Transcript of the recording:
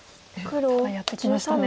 ただやってきましたね。